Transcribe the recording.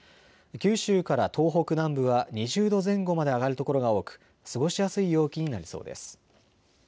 九州から東北南部は２０度前後まで上がる所が多く過ごしやすい陽気になりそうです。